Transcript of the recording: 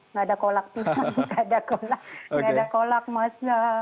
nggak ada kolak sih nggak ada kolak mas